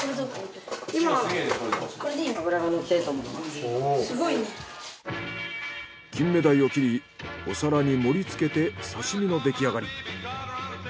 今はキンメダイを切りお皿に盛り付けて刺身の出来上がり。